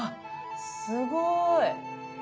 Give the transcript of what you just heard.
すごい！